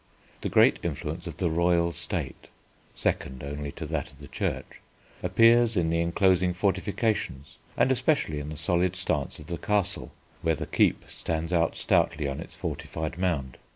The great influence of the royal State, second only to that of the Church, appears in the enclosing fortifications and especially in the solid stance of the Castle, where the keep stands out stoutly on its fortified mound.